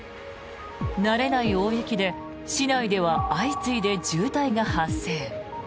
慣れない大雪で市内では相次いで渋滞が発生。